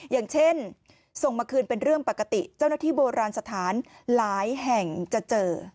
อย่างเช่นส่งมาคืนเป็นเรื่องปกติเจ้าหน้าที่โบราณสถานหลายแห่งจะเจอ